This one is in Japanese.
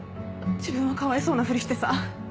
自分はかわいそうなふりしてさ。